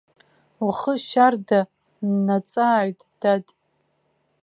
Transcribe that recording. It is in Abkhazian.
Ухы шьарда ннаҵааит, дад!